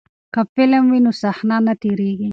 که فلم وي نو صحنه نه تیریږي.